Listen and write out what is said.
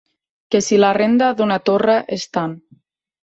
...que si la renda d'una torra és tant